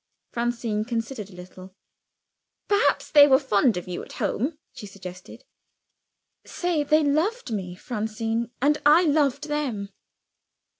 Francine considered a little. "Perhaps they were fond of you at home," she suggested. "Say they loved me, Francine and I loved them."